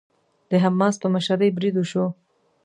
د حماس په مشرۍ بريد وشو.